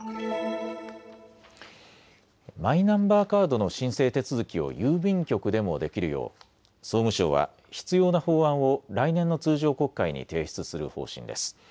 マイナンバーカードの申請手続きを郵便局でもできるよう総務省は必要な法案を来年の通常国会に提出する方針です。